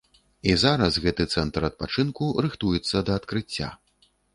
І зараз гэты цэнтр адпачынку рыхтуецца да адкрыцця.